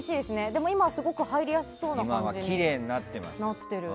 でも今はすごく入りやすそうな感じになってる。